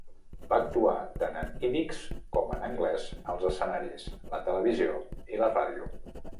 Va actuar tant en ídix com en anglès als escenaris, la televisió i la ràdio.